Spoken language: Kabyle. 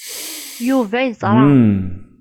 Yuba yeẓṛa.